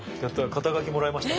肩書もらいました。